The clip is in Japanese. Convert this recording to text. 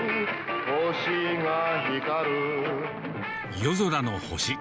夜空の星。